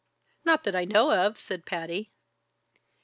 "Not that I know of," said Patty.